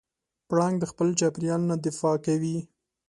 پړانګ د خپل چاپېریال نه دفاع کوي.